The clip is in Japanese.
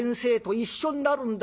一緒になるんだ』。